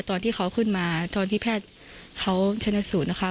ตอนที่เขาขึ้นมาตอนที่แพทย์เขาชนะสูตรนะคะ